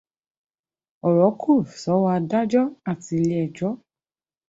Ọ̀rọ̀ kù sọ́wọ́ àdájọ́ àti ilé ẹjọ́.